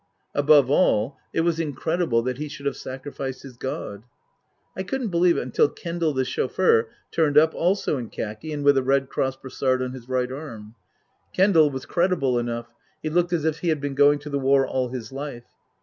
Above all, it was incredible that he should have sacrificed his god. I couldn't believe it until Kendal, the chauffeur, turned up, also in khaki and with a Red Cross brassard on his right arm. Kendal was credible enough ; he looked as if he had been going to the war all his life.